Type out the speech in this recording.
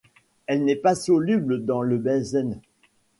Elle n'est pas soluble dans le benzène.